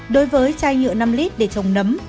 đối với chai nhựa năm lít để trồng nấm